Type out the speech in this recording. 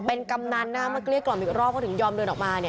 เป็นกำนน้ำกลรียกรอบอยู่รอบ้อถึงยอมเดินออกมา